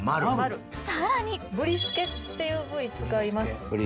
さらにブリスケっていう部位使います。